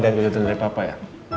liat kejutan dari bapak ya